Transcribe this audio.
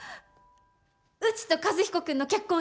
うちと和彦君の結婚